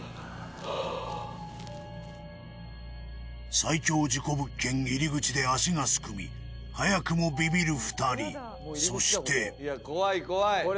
最恐事故物件入り口で足がすくみ早くもビビる二人そしてこれ？